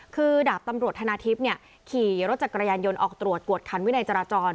คือดาบตำรวจธนาทิพย์ขี่รถจักรยานยนต์ออกตรวจกวดคันวินัยจราจร